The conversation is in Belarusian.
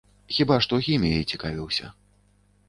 Хіба што хіміяй цікавіўся.